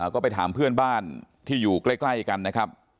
ก็ไปถามเพื่อนบ้านที่อยู่ใกล้กันนะครับ